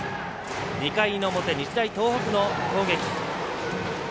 ２回の表、日大東北の攻撃。